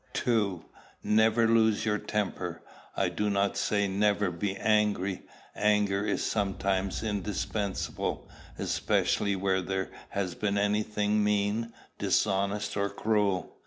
2. Never lose your temper. I do not say never be angry. Anger is sometimes indispensable, especially where there has been any thing mean, dishonest, or cruel.